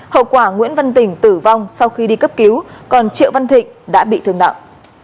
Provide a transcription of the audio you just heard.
hậu quả nguyễn văn tình tử vong sau khi đi cấp cứu còn triệu văn thịnh đã bị thương nặng